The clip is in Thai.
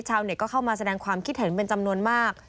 ชาวเน็ตก็เข้ามาแสดงความคิดเห็นเป็นจำนวนมาก